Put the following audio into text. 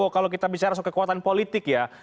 kalau kita bisa rasa kekuatan politik ya